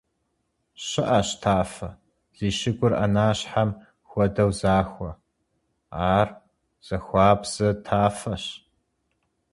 ЩыӀэщ тафэ, зи щыгур Ӏэнащхьэм хуэдэу захуэ; ар захуабзэ тафэщ.